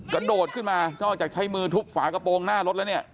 กระโดดขึ้นมานอกจากใช้มือทุบฝากระโปรงหน้ารถแล้วเนี่ย